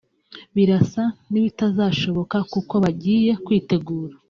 Birasa n’ibitazashoboka kuko bagiye kwitegura